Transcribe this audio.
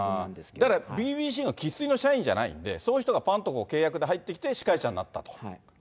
だからＢＢＣの生粋の社員じゃないんで、そういう人がぱんと契約で入ってきて、司会者になったと。